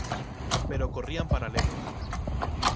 Pero corrían paralelos.